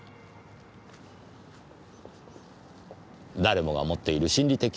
誰もが持っている心理的傾向です。